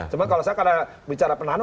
cuma kalau saya karena bicara penahanan